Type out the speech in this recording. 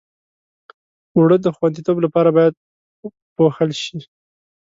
اوړه د خوندیتوب لپاره باید پوښل شي